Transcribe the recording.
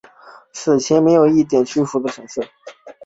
死前也没有一点屈服的神色。